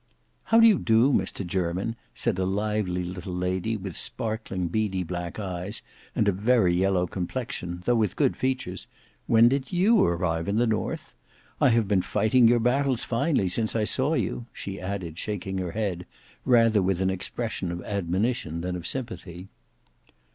"How do you do, Mr Jermyn?" said a lively little lady with sparkling beady black eyes, and a very yellow complexion, though with good features; "when did you arrive in the North? I have been fighting your battles finely since I saw you," she added shaking her head, rather with an expression of admonition than of sympathy.